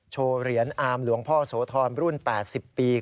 โชว์เหรียญอามหลวงพ่อโสธรรุ่น๘๐ปี